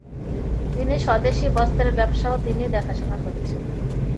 তিনি স্বদেশী বস্ত্রের ব্যবসাও তিনি দেখাশোনা করেছেন ।